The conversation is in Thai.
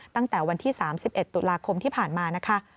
ตั้งแต่วันที่๓๑ตุลาคมที่ผ่านมานะคะ